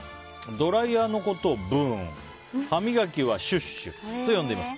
ドライヤーのことをブーン歯磨きはシュッシュと呼んでいます。